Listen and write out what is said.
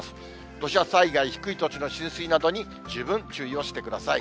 土砂災害、低い土地の浸水などに十分注意をしてください。